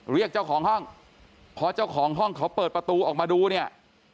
เรียกเจ้าของห้องพอเจ้าของห้องเขาเปิดประตูออกมาดูเนี่ย